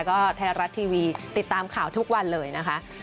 ก็ไทยรัฐทีวีติดตามข่าวทุกวันเลยนะคะ